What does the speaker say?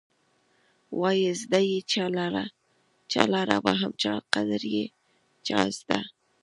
وايې زه یې چا لره وهم قدر يې چا زده.